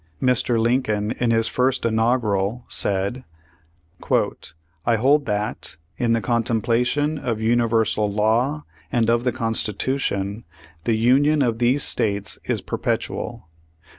Mr, Lincoln, in his first inaugural, said: '"I hold that, in the contemplation of universal law and of the Constitution, the Union of these States is perpetual.